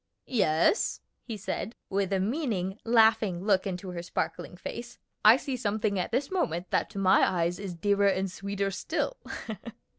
"Yes," he said, with a meaning, laughing look into her sparkling face. "I see something at this moment that to my eyes is dearer and sweeter still.